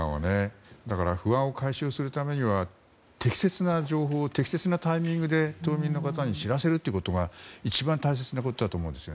だから不安を解消するためには適切な情報を適切なタイミングで島民の方に知らせることが一番大切なことだと思います。